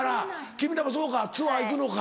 君らもそうかツアー行くのか。